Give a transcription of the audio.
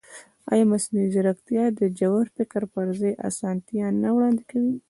ایا مصنوعي ځیرکتیا د ژور فکر پر ځای اسانتیا نه وړاندې کوي؟